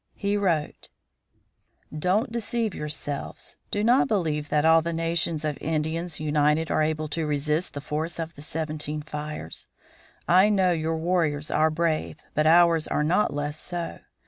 He wrote: "Don't deceive yourselves; do not believe that all the nations of Indians united are able to resist the force of the Seventeen Fires. I know your warriors are brave; but ours are not less so.